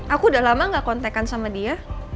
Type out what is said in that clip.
aku udah lama gak kontekan sama dia